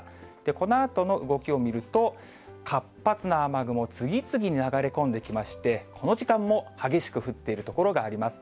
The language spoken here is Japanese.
このあとの動きを見ると、活発な雨雲、次々に流れ込んできまして、この時間も激しく降っている所があります。